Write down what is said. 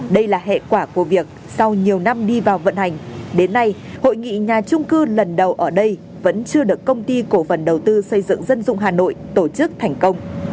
đây là hệ quả của việc sau nhiều năm đi vào vận hành đến nay hội nghị nhà trung cư lần đầu ở đây vẫn chưa được công ty cổ phần đầu tư xây dựng dân dụng hà nội tổ chức thành công